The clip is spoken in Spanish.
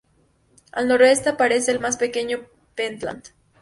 Al noreste aparece el más pequeño Pentland.